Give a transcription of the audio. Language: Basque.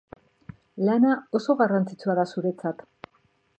Lana oso garrantzitsua da zuretzat.